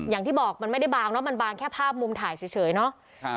อย่างที่บอกมันไม่ได้บางเนอะมันบางแค่ภาพมุมถ่ายเฉยเนาะ